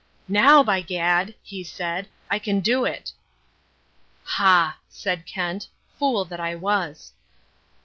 'Now, by gad!' he said, 'I can do it.'" "Ha!" said Kent. "Fool that I was."